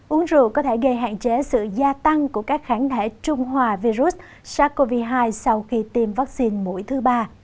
uống rượu có thể gây hạn chế sự gia tăng của các kháng thể trung hòa virus sars cov hai sau khi tiêm vaccine mũi thứ ba